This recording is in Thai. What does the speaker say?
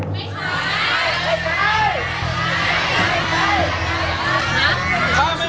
ไม่ใช้